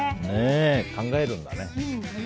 考えるんだね。